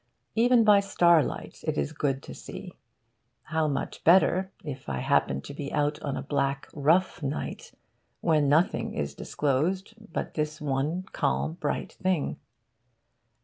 Even by starlight, it is good to see. How much better, if I happen to be out on a black rough night when nothing is disclosed but this one calm bright thing.